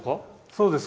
そうです。